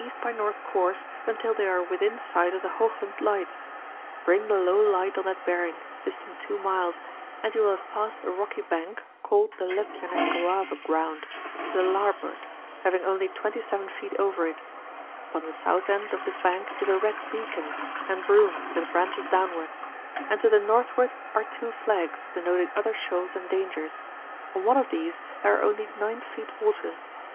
byN. 14 PILOTING DIRECTIONS FOR course until they are within sight of the Hoogland Lights; bring the low li^t on that bearing, (Ustant 2 miles, and you will have passed a ro<^ banky called the Xebjadne koave Ground, to the lajrboard, havins only 27 feet over it: upon the south end of this bank is a red bcACon, and broom, with branches downward, and to the northward are two flags, denoting other shoals and dangers; on one of these there are only 9 feet water.